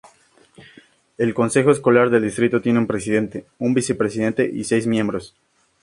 El consejo escolar del distrito tiene un presidente, un vicepresidente, y seis miembros.